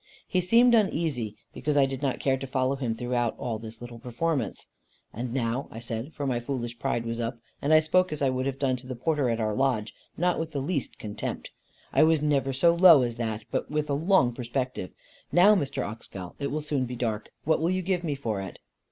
He seemed uneasy because I did not care to follow him throughout all this little performance. "And now," I said, for my foolish pride was up, and I spoke as I would have done to the porter at our lodge, not with the least contempt I was never so low as that but with a long perspective, "Now, Mr. Oxgall, it will soon be dark. What will you give me for it?"